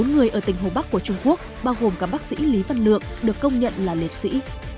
bốn người ở tỉnh hồ bắc của trung quốc bao gồm cả bác sĩ lý văn lượng được công nhận là liệt sĩ